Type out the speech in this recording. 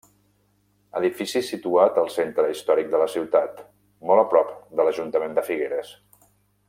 Edifici situat al centre històric de la ciutat, molt a prop de l'Ajuntament de Figueres.